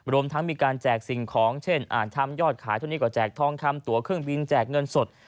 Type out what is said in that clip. รวมทั้งมีการแจกสิ่งของเช่นอ่านทำยอดขายเท่านี้ก็แจกทองคำตัวเครื่องบินแจกเงินสด